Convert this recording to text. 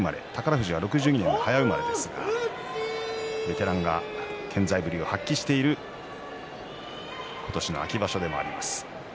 富士は６２年の早生まれですがベテランが健在ぶりを発揮している今年の秋場所でもあります。